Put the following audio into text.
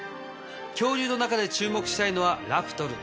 恐竜の中で注目したいのはラプトル。